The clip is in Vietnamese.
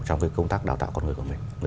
trong công tác đào tạo con người của mình